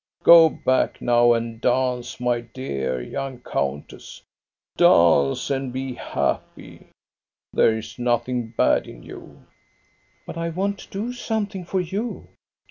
Go back now and dance, my dear young countess. Dance and be happy! There is nothing bad in you." '* But I want to do something for you."